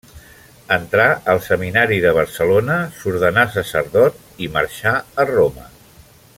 Entrà al Seminari de Barcelona, s'ordenà sacerdot i marxà a Roma.